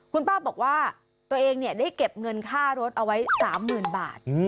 คุณป้าบอกว่าตัวเองได้เก็บเงินค่ารถเอาไว้๓๐๐๐บาท